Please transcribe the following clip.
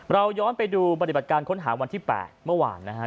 เราย้อนไปดูปฏิบัติการค้นหาวันที่๘เมื่อวานนะฮะ